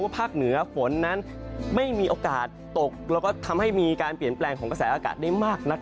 ภาคเหนือฝนนั้นไม่มีโอกาสตกแล้วก็ทำให้มีการเปลี่ยนแปลงของกระแสอากาศได้มากนัก